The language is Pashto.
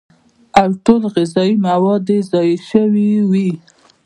او ټول غذائي مواد ئې ضايع شوي وي